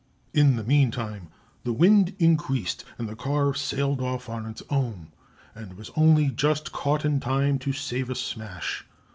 In the meantime the wind increased, and the car sailed off 'on its own,' and was only just caught in time to save a smash.